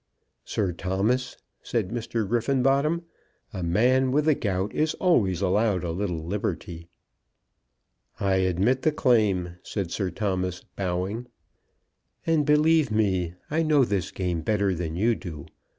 "Sir Thomas," said Mr. Griffenbottom, "a man with the gout is always allowed a little liberty." "I admit the claim," said Sir Thomas, bowing. "And believe me, I know this game better than you do.